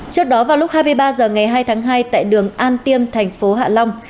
trước đó vào lúc hai mươi ba h ngày hai tháng hai tại đường an tiêm thành phố hạ long